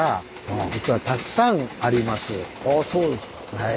はい。